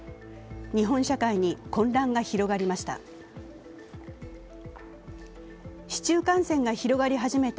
日本社会に混乱が広がりました。